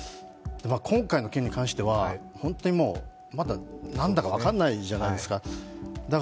今回の件に関しては、本当にまだなんだか分からないじゃないですか。